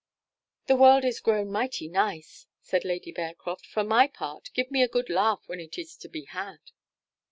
"The world is grown mighty nice!" said Lady Bearcroft; "for my part, give me a good laugh when it is to be had."